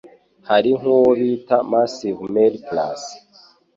harinkuwo bita massive male plus